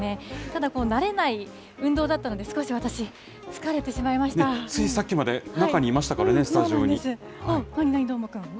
ただ慣れない運動だったので、少し私、疲れてしまいましついさっきまで中にいました何々、どーもくん？